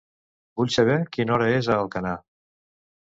Vull saber quina hora és a Alcanar.